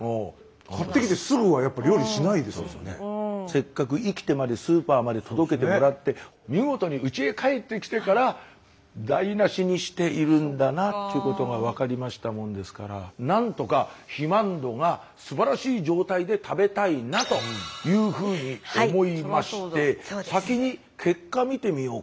せっかく生きてまでスーパーまで届けてもらって見事ににしているんだなということが分かりましたもんですから何とか肥満度がすばらしい状態で食べたいなというふうに思いまして先に結果見てみようかな。